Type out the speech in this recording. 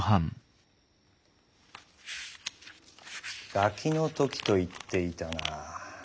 ガキの時と言っていたな。